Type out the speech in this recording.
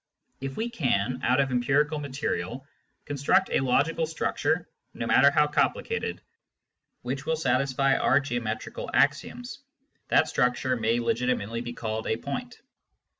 If we can, out of empirical material, construct a logical structure, no matter how complicated, which will satisfy our geometrical axioms, that structure may legitimately be called a " point."